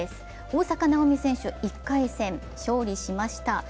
大坂なおみ選手、１回戦、勝利しました。